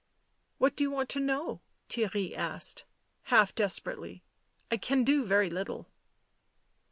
" What do you want to know?" Theirry asked, half desperately : "I can do very little."